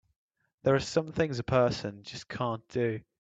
There are some things a person just can't do!